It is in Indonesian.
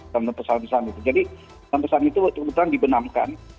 jadi penumpusan itu benar benar dibenamkan